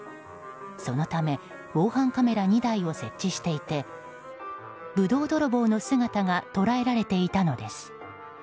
そのため防犯カメラ２台を設置していてブドウ泥棒の姿が捉えられていたのです。